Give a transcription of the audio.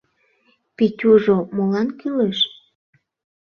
— Петюжо молан кӱлеш?